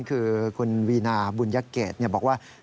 คือคุณวีนาบุญเกตบอกว่า